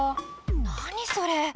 何それ？